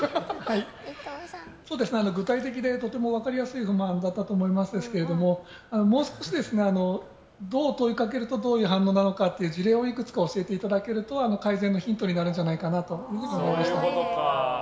具体的で、とても分かりやすい不満だったと思いますけどもう少しどう問いかけるとどういう反応なのかという事例をいくつか教えていただけると改善のヒントになるかなと思いました。